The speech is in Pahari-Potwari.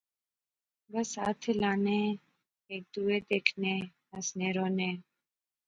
بس ہتھ ہلانے۔۔۔ہیک دوہے دیکھنے۔۔ ہنسے رونے